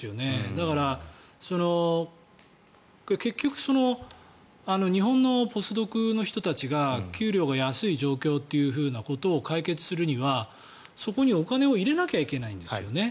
だから、結局日本のポスドクの人たちが給料が安い状況というのを解決するには、そこにお金を入れなきゃいけないんですよね。